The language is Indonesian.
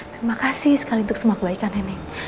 terima kasih sekali untuk semua kebaikan nenek